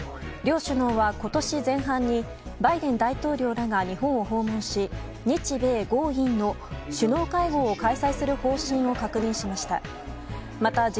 両首脳は今年前半にバイデン大統領らが日本を訪問し日米豪印の首脳会合を開催する方針を確認しました。